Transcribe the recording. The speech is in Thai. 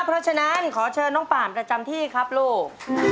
เพราะฉะนั้นขอเชิญน้องป่ามประจำที่ครับลูก